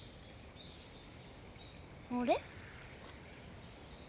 あれ？